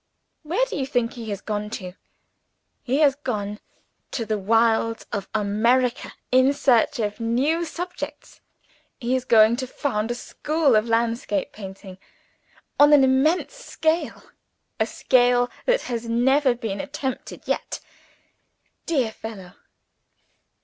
Where do you think he has gone to? He has gone to the wilds of America, in search of new subjects. He is going to found a school of landscape painting. On an immense scale. A scale that has never been attempted yet. Dear fellow!